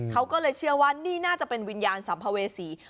เขาก็เลยเชื่อว่านี่น่าจะเป็นวิญญาณสัมภเวษี